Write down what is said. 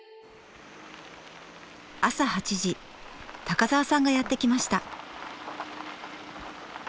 朝８時高沢さんがやって来ました。